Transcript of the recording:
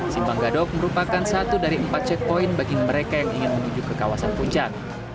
simpang gadok merupakan satu dari empat checkpoint bagi mereka yang ingin menuju ke kawasan puncak